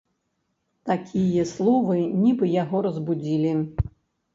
Такія словы нібы яго разбудзілі.